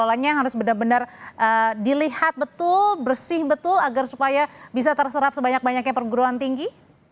masalahnya harus benar benar dilihat betul bersih betul agar supaya bisa terserap sebanyak banyaknya perguruan tinggi